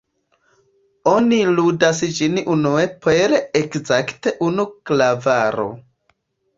Oni ludas ĝin unue per ekzakte unu klavaro.